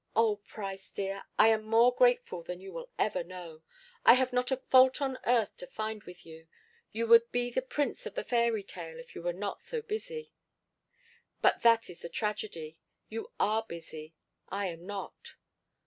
"Oh, Price, dear, I am more grateful than you will ever know. I have not a fault on earth to find with you. You would be the prince of the fairy tale if you were not so busy. "But that is the tragedy. You are busy I am not."